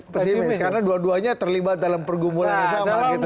pesimis karena dua duanya terlibat dalam pergumulan agama gitu